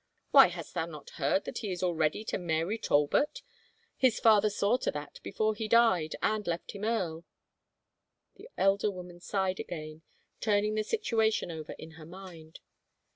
" Why hast thou not heard that he is already married to Mary Talbot ? His father saw to that before he died and left him earl." The elder woman sighed again, turning the situation over in her mind.